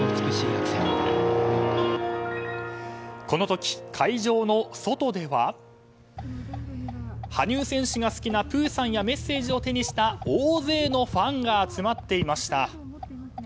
この時、会場の外では羽生選手が好きなプーさんやメッセージを手にした大勢のファンが集まっていました。